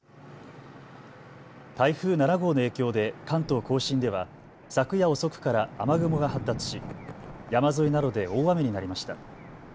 台風７号の影響で、関東甲信では、昨夜遅くから雨雲が発達し、山沿いなどで大雨になりました。